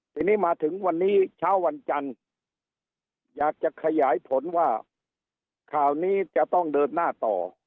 ทีนี้มาถึงวันนี้เช้าวันจันทร์อยากจะขยายผลว่าข่าวนี้จะต้องเดินหน้าต่อ